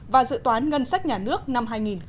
và dự toán ngân sách nhà nước năm hai nghìn một mươi chín